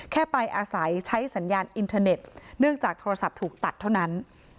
แค่ไปอาศัยใช้สัญญาณอินเทอร์เน็ตเนื่องจากโทรศัพท์ถูกตัดเท่านั้น